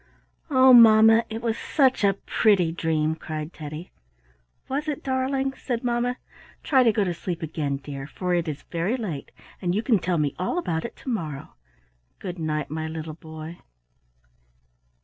"Oh, Mamma! it was such a pretty dream," cried Teddy. "Was it, darling?" said mamma. "Try to go to sleep again, dear, for it is very late, and you can tell me all about it to morrow. Good night, my little boy."